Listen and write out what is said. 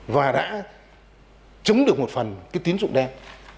và đã chống được một phần cái tín dụng đen